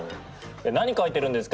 何描いてるんですか？